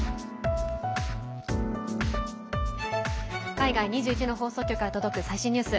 海外２１の放送局から届く最新ニュース。